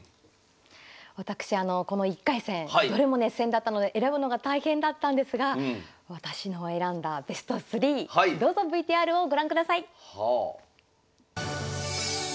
私あのこの１回戦どれも熱戦だったので選ぶのが大変だったんですが私の選んだベスト３どうぞＶＴＲをご覧ください。